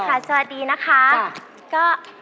สวัสดีค่ะ